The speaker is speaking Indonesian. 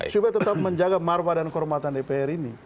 supaya tetap menjaga marwah dan kehormatan dpr ini